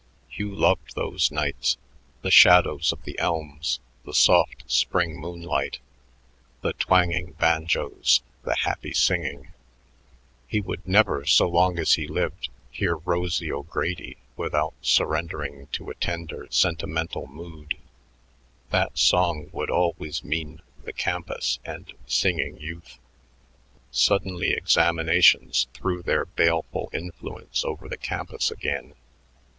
Hugh loved those nights: the shadows of the elms, the soft spring moonlight, the twanging banjos, the happy singing. He would never, so long as he lived, hear "Rosie O'Grady" without surrendering to a tender, sentimental mood; that song would always mean the campus and singing youth. Suddenly examinations threw their baleful influence over the campus again.